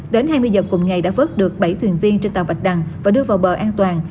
đến hai mươi giờ cùng ngày đã vớt được bảy thuyền viên trên tàu bạch đằng và đưa vào bờ an toàn